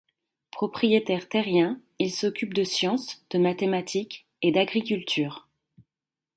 Propriétaire terrien, il s'occupe de sciences, de mathématiques et d'agriculture.